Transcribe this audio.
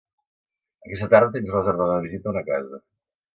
Aquesta tarda tens reservada una visita a una casa.